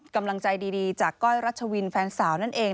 กำลังใจดีจากก้อยรัชวินแฟนสาวนั่นเอง